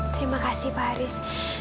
terima kasih pak haris